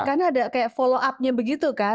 karena ada kayak follow upnya begitu kan